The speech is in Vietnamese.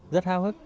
rất hào hức